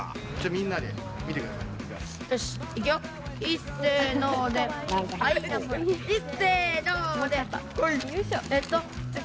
みんなで見てください。